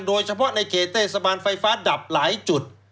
โดยเฉพาะในเขตเทศบาลไฟฟ้าดับหลายจุด